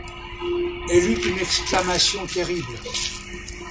Elle eut une exclamation terrible.